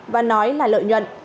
và nói là lợi nhuận